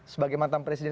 sebagai mantan presiden